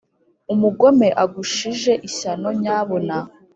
umugome agushije ishyano nyabuna